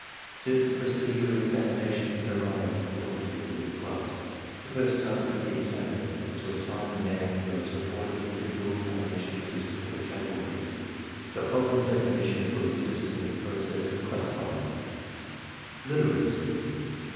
Since the procedure of examination varies importantly with the class, the first task of the examiner is to assign the man who has reported for individual examina tion to his proper category. The following definitions will assist in the process of classifying: Literates.